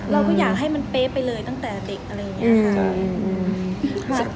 เราก็อยากให้มันเป๊ะไปเลยตั้งแต่เด็กอะไรอย่างนี้ค่ะ